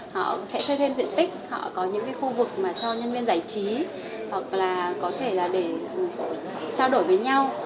họ sẽ thay thêm diện tích họ có những khu vực cho nhân viên giải trí hoặc là có thể để trao đổi với nhau